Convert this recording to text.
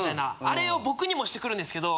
あれを僕にもしてくるんですけど。